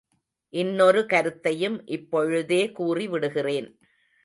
இன்னொரு கருத்தையும் இப்பொழுதே கூறிவிடுகிறேன்.